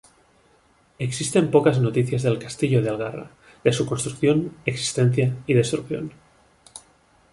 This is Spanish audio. Existen pocas noticias del Castillo de Algarra, de su construcción, existencia y destrucción.